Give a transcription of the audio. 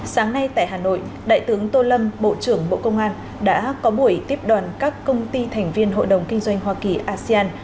sáng nay tại hà nội đại tướng tô lâm bộ trưởng bộ công an đã có buổi tiếp đoàn các công ty thành viên hội đồng kinh doanh hoa kỳ asean